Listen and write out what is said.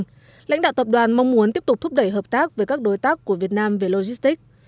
tiếp lãnh đạo tập đoàn mong muốn tiếp tục thúc đẩy hợp tác với các đối tác của việt nam về logistic